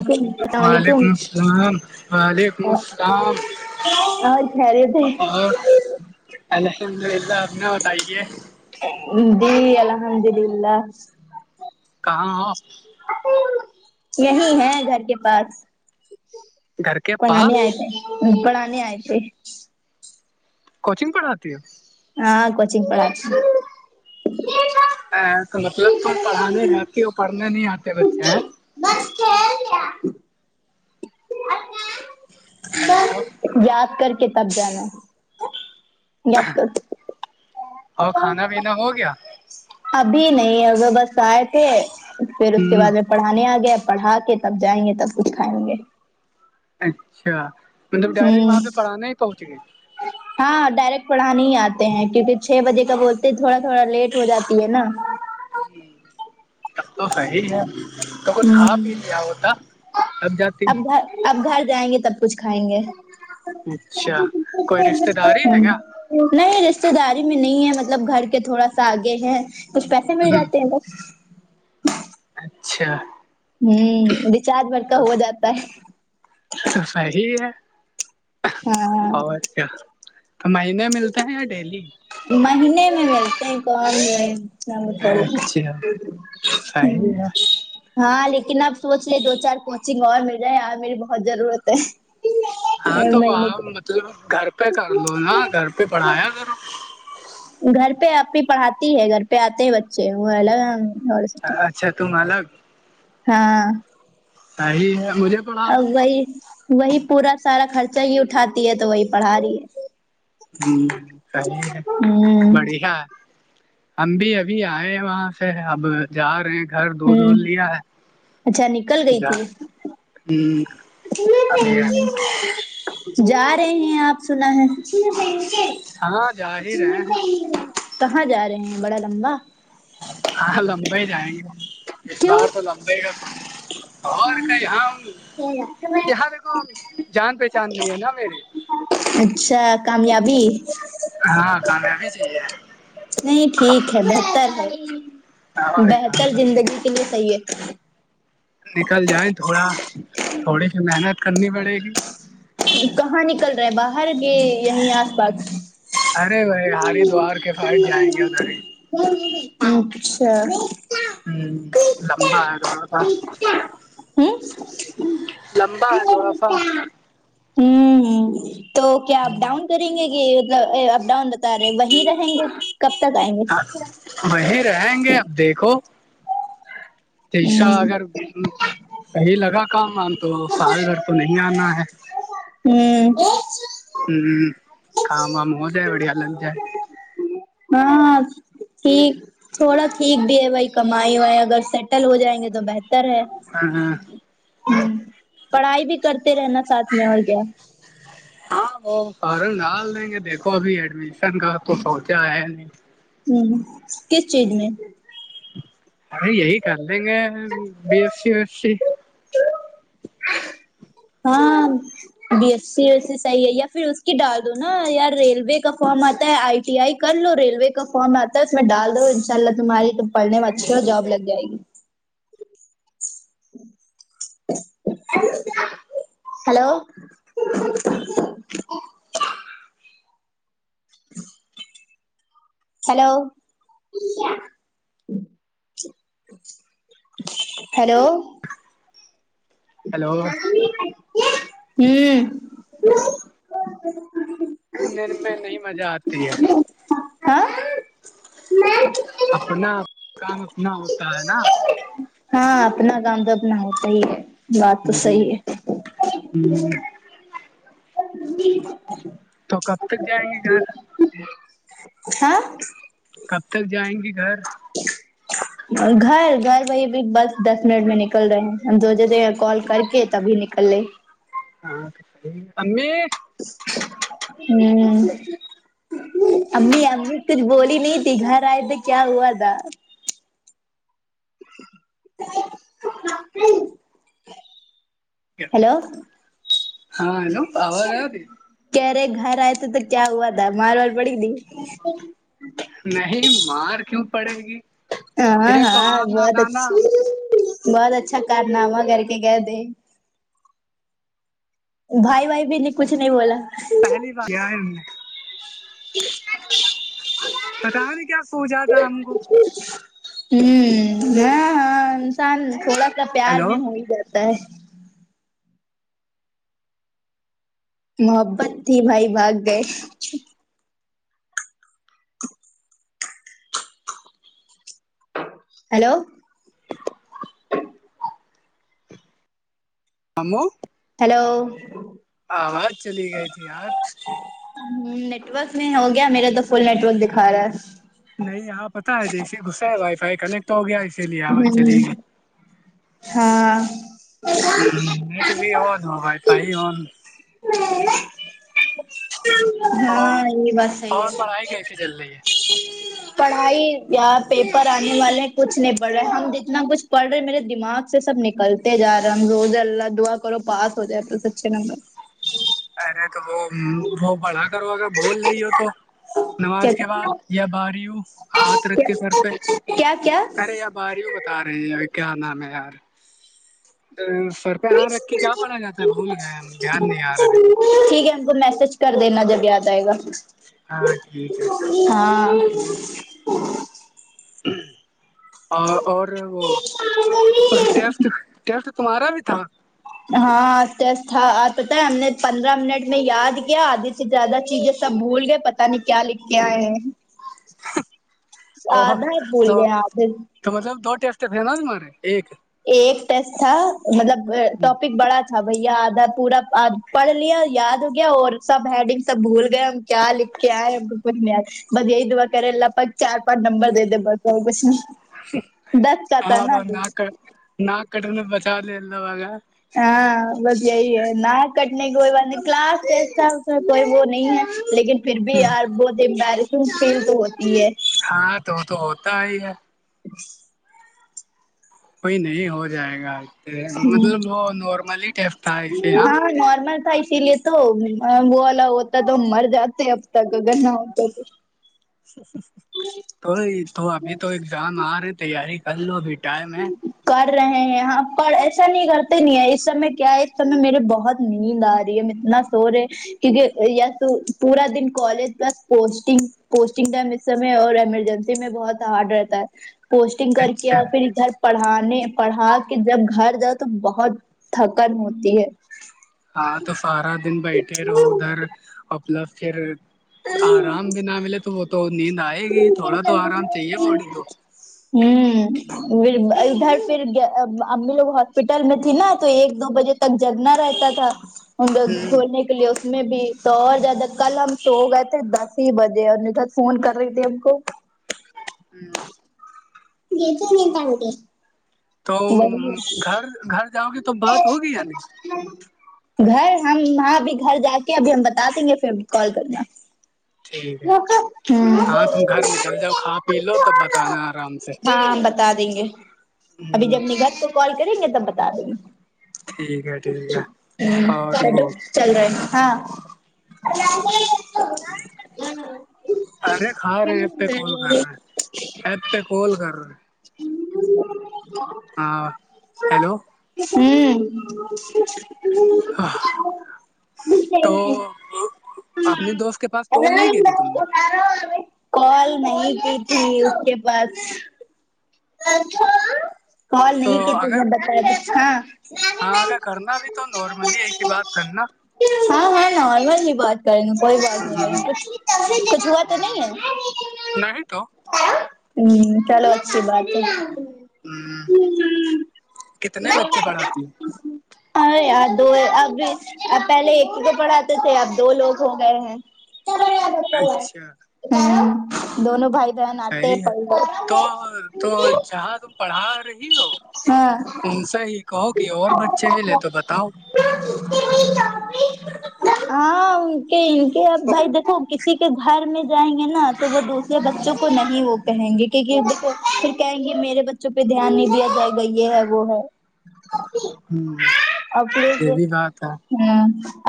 السلام علیکم وعلیکم السلام و ععلیکم اور السلام خیریت ہے اور الحمد للہ آپ نے بتائیے جی الحمد للہلہ کہا ہو آپ یہی ہے گھر کے پاس گھر کے پاس پڑھنے آئے پڑھنے آئے پ کوچنگ پڑاتی ہو ہاں کوچنگ پڑھتی تو مطلب تم پڑھانے جاتتی ہو پڑھنے نہیں آتے بچے ہیں بس کل دیا یاد کر کے تب جانا یاد اور کر کھانا پینا ہو گیا ابھی نہیں اگر بس آئے تھے پھر اس کے ہ بعد ا پڑھانے آ گیا پڑھا کے تب جائیں گے تب کچھ کھائیں گے اچھا مطلب ڈائریکٹ ہوں وہاں پہ پڑھانا ہی پہنچ گئے ہاں ڈائریکٹ پڑھانے ہی آتے ہیں کیونکہ چھ بجے کا بولتے تھوڑا تھوڑا لیٹ ہو جاتی ہے نا اب تو صحیح ہے تو کچھ کھا ہوں پی لیا ہوتا تب جاتی اب گھر اب گھر جائیں گے تب کچھ کھائیں گے اچھا کوئی رشتے داری ہ ہے کیا نہیں رشتے داری میں نہیں ہے مطلب گھر کے تھوڑا سا آگے ہے کچھ پیسے مل ہ جاتے ہیں بس اچھا ہوں ریچارج بھر کا تو ہو جاتا ہے تو صحی ہے ہاں اور کیا تو مہینے ملتے ہیں یا ڈیلی مہینے میں ملتے ہیں کون لے اچھا صحیح ہے [unintelligible] ہاں لیکن اپ سوچ لے دو چار کوچنگ اور مل رہائے اور میری بہت ضرورت ہے ہاں تو مہینے آاںپ کی مطلب گھر پہ کر لو نا گھر پہ پڑھایا گھر پہ آنی پڑھاتی ہے گھر پہ آتے ہیں بچے وہگ اچھا ت مال ہاں تاہ مجھے پڑھا اب دو وہی وہی پورا سارا خرچہ ہی اٹھاتی ہے تو وہی پڑھا رہی ہے ہ ہ بڑیا ہم بھی ابھی آئے ہیں وہاں سے اب جا رہے ہیں گھر دھ ہ وھ لیا اچھا نکل ہے گئی جا تھی ہوں ابے جا رہے ہیں آپ سنا ہے ہاں جا ہی رہے ہیں کہاں جا رہے ہیں بڑا لمبا ہاں لمبا ہی جائیں گے اس کیوں بار تو لمبا بیا اور کہ ہاں یہاں دیکھو جان پہچان نہیں ہے نا میری اچھا کامیابی ہاں کامیابی چاہیے نہیں ٹھیک ہے بہتر ہے اور یہاں بہتر تو زندگی کے لیے صحیح ہے نکل جائیں تھوڑا تھوڑی سی محنت کرنی پڑے گی کہاں نکل رہا باہر گ یہیں آس پاس ارے وہ ہارے دوار کے فائٹ جائیں گے ادھر ہی اچھا ہوں لبا آ آ کاا ہوں لمبا ہے تھوڑا سا ہوں ہ تو کیا اپ ڈاؤن کریں گے کہ مطلب اپ ڈاؤن بتا رہے وہیں رہیں گے کب تک آئیں گے وہیں رہیں گے اب دیکھو جیسا اگر صحیح لگا کام تو سال بھر تو نہیں آنا ہے ہوں ہوں کام و م ہووجائے بڑیاالگ جائے ہاں ٹھیک تھوڑا ٹھیک بھی ہے بھائی کمائی ہوائی اگر سیٹل ہو جائیں گے تو بہتر ہے ہاں ہاں ہ پڑھائی بھی کرتے رہنا ساتھ میں اور کیا ہاں وہ فارم ڈال دیں گے دیکھو ابھی ایڈمیشن کا تو سوچا ہے نہیں ہوں کس چیج میں ارے یہی کر لیں گے بی ایف سی و ایف س ہاں بی ایس سی و سی صحیح ہے یا پھر اس کی ڈال دو نا یار ریلوے کا فارم آتا ہے آئی ٹی آئی کر لو ریلوے کا فارم آتا ہے اس میں ڈال دو انشاء اللہ تمہاری تم پڑنے میں اچھی ہو جاب لگ جائے گی ہیلو [unintelligible] ہ ہیلو ہیلو ہیلو ہوں تم دیر پہ نہیں مزہ آتی ہے ہاں اپنا کام اپتنا ہوتا ہے نا ہاں اپنا کام د اپنا ہوتا ہی ہے بات تو ہ ہوں صحیح ہے تو کب تک جائیں گے گھر [inaudible] ہاں کب تک جائیں گی گھر اور گھر گھر بائی [unintelligible] بس دس منٹ میں نکل رہے ہیں ہم دو ج کال کر کے تبھی نکل لے [unintelligible] ہاں امی ہوں امی امی کچھ بولی نہیں تھی گھر آئے تھے کیا ہوا تھا [inaudible] ہاں ہیلو [inaudible] آ رہی کہرے گھر آئے تھے تو کیا ہوا تھا ماروار پڑی تھی نہیں مار کیوں پڑے گی ہاں ایک ہاں کباب نہ بہت کھانا اچھا ہم بہت اچھا کارنامہ کر کے کہ د [unintelligible] بھائی بھائی بھی کچھ نہیں بولا پہلی بار کیا ہے ان نے [unintelligible] پ کہ نے کیا سوچا تھا ہم کو [inaudible] ہاں ہاں انسان تھوڑا سا پیار ہیلو میں ہو ہی جاتا تا ہے [unintelligible] محبتی بھائی باگ گئے [unintelligible] ہیلو ہممو [unintelligible] ہلو آواز چلی گئی تھی آج نیٹ ورک میں ہو گیا میرا تو فل نیٹ ورک دکھا رہا ہے نہیں آاں پتہ ہے جیسے گغسہ ہے وائی فائی کنیکٹ ہو گیا اسی لیے آواز چلی ہوں گئی ہاں [unintelligible] ہ نٹ بھی ہو ہو بھائی پائی ہو [unintelligible] ہاں [unintelligible] اور ہاں یہ بات صی ہے اور پڑھائی کیسی چل رہی ہے [unintelligible] پڑھائی یا پیپر آنے والے کچھ نہیں پڑ رہے ہم جتنا کچھ پڑھ رہے میرے دماغ سے سب نکلتے جا رہا ہ روز اللہ دعا کرو پاس ہو جائے تو اچھے نمبر [unintelligible] ارے تو وہ وہ پڑھا کرو اگر بول رہی ہو تو نماز کے بعد یا باری ہوں ہاتھ رکھ کے سر پہ کیا کیا ارے آپ باریوں بتا رہی ہے کیا نام ہے یار سر پ یہاں رکھ کے کیا پڑا جاتا ہے بھول گئے ہم دھیان نہیں آ رہا [unintelligible] ٹھیک ہم کو میسج کر دینا جب یاد آئے گا ہاں ٹھیک ہے ہاں اور اور اور وہ ٹیٹ ٹیسٹ تمہارا بھی تھا ہاں ا تھا اور پت ہے ہم نے پندرہ منٹ میں یاد کیا آدھی سے زیادہ چیزیں سب بھول گئے پتا نہیں کیا لکھ کے آئے ہیں اور آدھا بول تو گئے آدے [unintelligible] تو مطلب دو ٹیسٹ تھے نا تمہارے ایک ایک ٹیسٹ تھا مطلب ٹاپک بڑا اچھا بھیا آدھا پورا پڑھ لیا یاد ہو گیا اور سب ہیڈنگ سب بھول گیا [unintelligible] کیا لکھ کےئے ہے ا گپن میں [unintelligible] بے یہ د کر لگ پگ چار پانچ نمبر دے دے بس کچھ نہیں [unintelligible] دس کتا نہ [unintelligible] نا کٹرین بچا ل اللہوگ [unintelligible] ہاں بت یہی ہے ناک کٹنے کی کوئی بات نہیں کلاس ایسا کوئی وہ نہیں ہے لیکن پھر بھی یار بہت امبیرسنگ فیل تو ہوتی ہے ہاں تو تو ہوتا ہی ج [unintelligible] کوئی نہیں ہو جائے گا مطلب وہ نارمل ہی ٹے یہاں [unintelligible] ہاں نارمل تھا اسی لیے تو وہ والا ہوتا ہے تو ہم مر جاتے اب تک اگر نہ ہوتا تو تو تو ابھی تو ایگزام آ رہے تیاری کر لو ابھی ٹائم ہے کر رہے ہیں ہاں پر ایسا نہیں کرتے نہیں ہے اس سمے کیا اس سمے میرے بہت نیند آ رہی ہے اتنا سو رہے کیونکہ س پورا دن college plus posting posting time اس سمے اور ایمرجنسی میں بہت ہارڈ رہتا ہے پوسٹنگ کر کے اچھا اور پھر ادھر پڑھانے پڑھا کے جب گھر جاؤ تو بہت تھکن ہوتی ہے ہاں تو سارا دن بیٹھے رہو ادھر اور پلس پھر آرام بھی نہ ملے تو وہ تو نیند آئے گی تھوڑا تو آرام چاہیے باڈی کو ہ ادھر پھر امی لوگ ہاسپٹل میں تھی نا تو ایک دو بجے ت جگنا رہتا تھا ہ کھولنے کا لیے اس میں بھی تو اور زیادہ کل ہم سو گئے تھے دس ہی بجے اور ن فون کر رکھ د ہم کو ہوں گ تو نہیں کن گ تو گھر گھر جاؤ گے تو بات ہوگی یع نہیں گھر ہم وہاں اب گھر جا کے ابھی ہم بتا دیں گے پھر کال کرنا ٹھیک ہے وہ ہاں تم گھر نکل جاؤ کھا پی لو تب بتانا آرام سے ہاں ہم بتا دیں گے ابھی ہوں جب نگت تو کال کریں گے تب بتا دیں ٹھیک ہے ٹھیک گے ہے اور ہڈے وہ چل رہے ہیں ہاں ارے کھا رہے ایپ پہ کال کر رہے ہیں ایپ پ کوال کر رہا ہے ہ ہاں ہیلو ہوں ہ تو اپنے دوست کے پاس کال نہیں کی تھی تم نے کال نہیں کی تھی اس کے پاس کال تو نہیں کی ت اگر میں بتا ت ہاں ہاں اگر کرنا بھی تو نارملی ایسی بات کرنا ہاں ہاں نارمل نہیں بات گئی ن کوئی بات نہیں کر کچھ ہوا تو نہیں ہے نہیں تو ہوں چلو اچھی بات ہے ہوں کتنے بچے پڑھاتی ہیں ارے یار دو اب اب پہلے ایک کو پڑھاتے تھے اب دو لوگ ہو گئے ہیں کیا ب آب اچھا ہ دونوں بھائی د ناات صحیح ہے پلا تو تو جہاں تم پڑھا رہی ہو ان سے ہی کہو کہ اور بچے ملے تو بتاؤ ہاں کہ ان کے اب بھائی دیکھو کسی کے گھر میں جائیں گے نا تو وہ دوسرے بچوں کو نہیں وہ کہیں گے کیونکہ دیکھو پھر کہیں گے میرے بچوں پہ دھیان نہیں ج گئی ہے وہ ہے ہ الیز یہ ہوں بھی بات ہے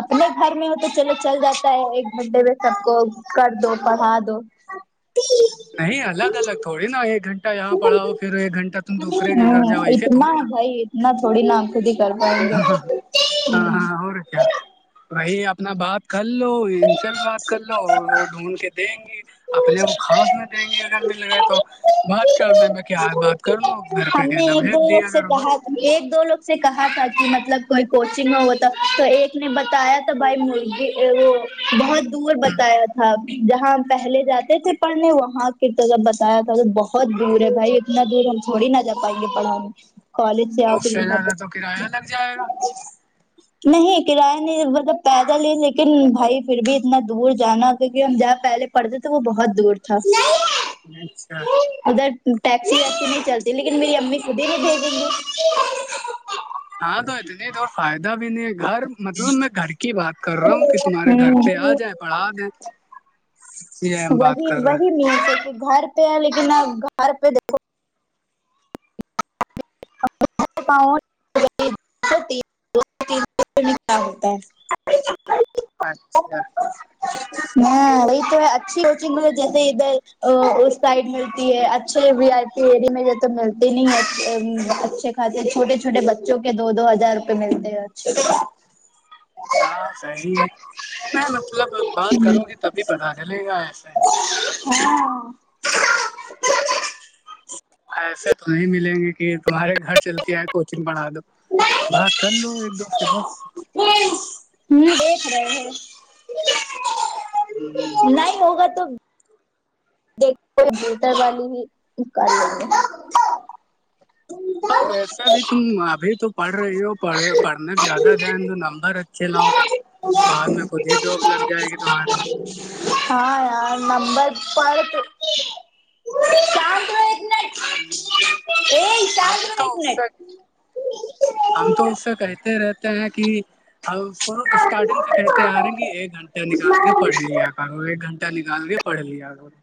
اپنے گھر میں ہو تو چلو چل جاتا ہے ایک گھنٹے میں سب کو کر دو پڑھا دو ت نہیں الگ الگ تھوڑی نا ایک گھنٹہ یہاں پڑاؤ پھر ایک گھنٹہ تم دوسرے کے ہ گھر جاؤ ایسے اتنا تھوڑی نا بھائی اتنا تھوڑی نا خود ہی کر پائیں گے ہ ہاں ہاں ہاں اور کیا وہی اپنا بات کر لو ان سے بھی بات کر لو وہ ڈھونڈ کے دیں گی اپنے کو کھاس نہ دیں گے اگر مل گئے تو بات [inaudible] کرنے میں کیا ہے بات کر لوگ گھر پہ ہم نے کہنا ایک دو بھیج لوگ دیا سے ب کہا [inaudible] ایک دو لوگ سے کہا تھا کہ مطلب کوئی کوچنگ میں ہوتا تو ایک نے بتایا تو بھائی مرگی وہ بہت دور بتایا تھا جہاں پہلے جاتے تھے پڑھنے وہاں کی طب بتایا تھا تو بہت دور ارے بھائی اتنا دور ہم تھوڑی نہ جا پائیں گے پڑھا میں کالج سے آؤ پھر اس یہاں زیادہ پ تو کرایہ لگ جائے گا نہیں کرایہ نہیں مطلب پیدل ہی لیکن بھائی پھر بھی اتنا دور جانا کیونکہ ہم جہاں پہلے پڑھتے تھے وہ بہت دور تھا اچھا ادھر ٹیکسی اسی نہیں چلتی لیکن میری امی خد ہی نہیں بھیجینگی [inaudible] ہاں تو اتنے تو فائدہ بھی نہیں ہے گھر مطلب میں گھر کی بات کر رہا ہوں کہ تمہارے گھر پہ آ جائے پڑھا دیں جی ہم بات کر رہے ہیں نہیں س کہ گھر [inaudible] تے ہیں لیکن گھر پہ دیکو [inaudible] [unintelligible] [inaudible] [inaudible] اچھا [inaudible] [inaudible] ہ وہی تو ہے اچھی کوچنگ متی جیسے ادھر اس سائڈ ملتی ہے اچھے [inaudible] ری میں یہ تو ملتے نہیں ہے اچھے خھصے چھوٹے چھوٹے بچے [inaudible] جو کہ دو دو ہزار روپئے ملتے ہیں اچھے ہاں صحیح ہے میں مطلب بات کرو گی تبھی پتا چلے گا ایسے ہن [inaudible] ایسے تو نہیں ملیں گے کہ تمہارے گھر چلتے آئے کوچنگ پڑھا دو بات کر لو ایک دو سے بس ہ دیکھ رہے ہیں ہوں، [inaudible] نہیں ہوگا تو دیکھو کو بٹر والی ہی کر لینگے [inaudible] ا ویسا بھی تم ابھی تو پڑھ رہی ہو پڑھ پڑھنے لیں زیادہ د گے نمبر اچھے لاؤ بعد میں خود ہی جاب لگ جائے گی تمہاری ہاں یار نمبر پالک شانتی رہو ایک منٹ [inaudible] ا ہم شانتی رہو تو ایک اس منٹ [inaudible] سے ہم تو اس سے کہتے رہتے ہیں کہ اسٹارٹنگ سے کہتے آ رہے ہیں کہ ایک گھنٹہ نکال کے پڑھ لیا کرو ایک گھنٹہ ا ن گالے پڑلی آار [inaudible]